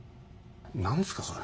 何すかそれ。